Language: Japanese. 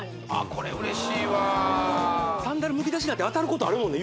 これ嬉しいわサンダルむき出しになって当たることあるもんね